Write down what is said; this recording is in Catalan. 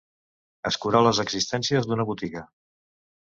Escurar les existències d'una botiga.